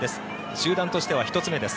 集団としては１つ目です。